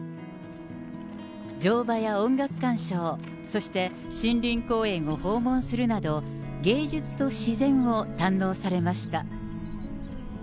乗馬や音楽鑑賞、そして、森林公園を訪問するなど、芸術と自然を堪能されました。